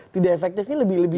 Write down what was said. tidak efektifnya lebih lebih